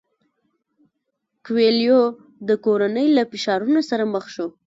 کویلیو د کورنۍ له فشارونو سره مخ شو.